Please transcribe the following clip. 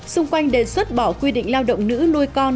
xung quanh đề xuất bỏ quy định lao động nữ nuôi con